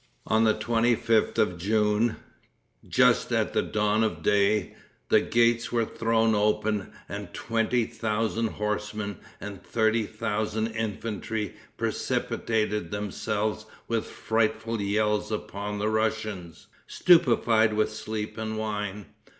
On the 25th of June, just at the dawn of day, the gates were thrown open, and twenty thousand horsemen and thirty thousand infantry precipitated themselves with frightful yells upon the Russians, stupefied with sleep and wine.